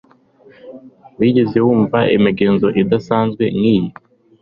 Wigeze wumva imigenzo idasanzwe nkiyi